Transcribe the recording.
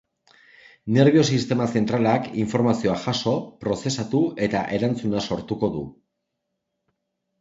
Nerbio-sistema zentralak informazioa jaso, prozesatu eta erantzuna sortuko du.